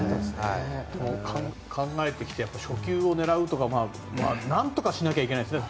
考えてきて初球を狙うとかなんとかしないといけないですね